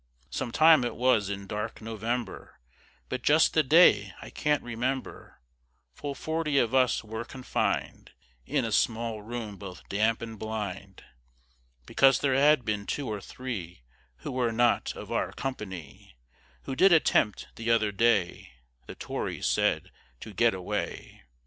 Some time it was in dark November, But just the day I can't remember, Full forty of us were confin'd In a small room both damp and blind, Because there had been two or three, Who were not of our company, Who did attempt the other day, The Tories said, to get away.